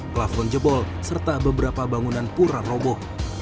plafon jebol serta beberapa bangunan pura roboh